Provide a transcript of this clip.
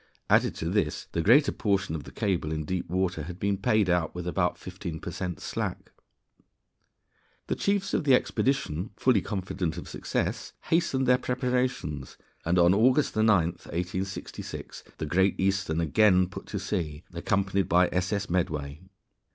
Added to this, the greater portion of the cable in deep water had been paid out with about 15 per cent slack. The chiefs of the expedition, fully confident of success, hastened their preparations, and on August 9, 1866, the Great Eastern again put to sea, accompanied by S.S. Medway.